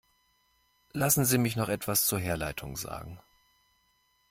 Lassen Sie mich noch etwas zur Herleitung sagen.